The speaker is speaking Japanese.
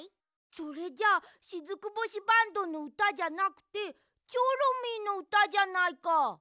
それじゃあしずく星バンドのうたじゃなくてチョロミーのうたじゃないか。